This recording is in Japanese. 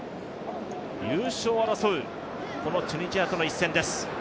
優勝を争うチュニジアとの一戦です。